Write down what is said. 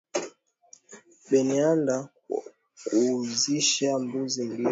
Banaenda kuuzisha mbuzi mbili